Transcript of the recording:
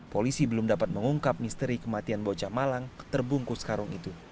polisi belum dapat mengungkap misteri kematian bocah malang terbungkus karung itu